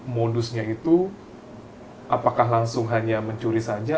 modusnya itu apakah langsung hanya mencuri saja